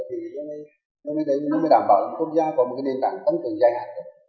thì nó mới đảm bảo cho quốc gia có một nền tảng tăng trưởng dài hạn